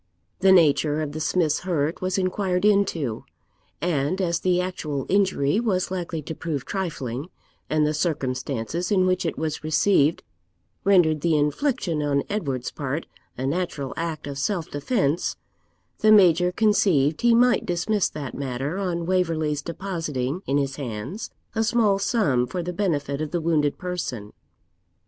The nature of the smith's hurt was inquired into, and, as the actual injury was likely to prove trifling, and the circumstances in which it was received rendered the infliction on Edward's part a natural act of self defence, the Major conceived he might dismiss that matter on Waverley's depositing in his hands a small sum for the benefit of the wounded person.